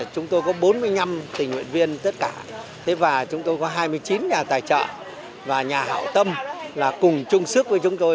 chúng tôi có bốn mươi năm tình nguyện viên tất cả và chúng tôi có hai mươi chín nhà tài trợ và nhà hảo tâm là cùng chung sức với chúng tôi